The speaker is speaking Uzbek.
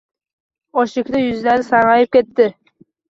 Ochlikdan yuzlari sarg`ayib ketdi